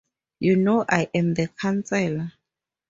You know I am the Chancellor.